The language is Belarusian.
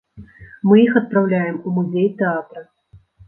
Мы іх адпраўляем у музей тэатра.